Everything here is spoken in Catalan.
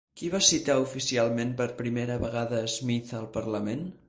Qui va citar oficialment per primera vegada Smith al parlament?